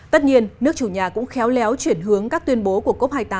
tất nhiên nước chủ nhà cũng khéo léo chuyển hướng các tuyên bố của cop hai mươi tám